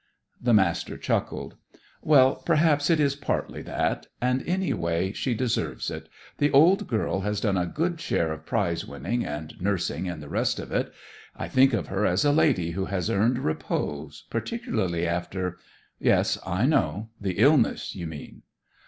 The Master chuckled. "Well, perhaps it is partly that. And, any way, she deserves it. The old girl has done a good share of prize winning, and nursing, and the rest of it. I think of her as a lady who has earned repose, particularly after " "Yes, I know; the illness, you mean."